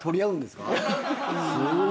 すごい。